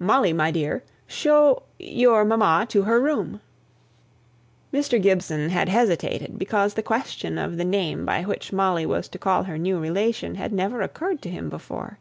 "Molly, my dear, show your mamma to her room!" Mr. Gibson had hesitated, because the question of the name by which Molly was to call her new relation had never occurred to him before.